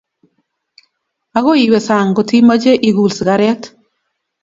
Akoi iwe sang' ngotimache ikul sigaret.